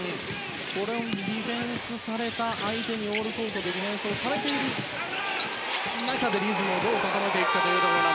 ディフェンスされた相手にオールコートでディフェンスをされている中でリズムをどう高めていくか。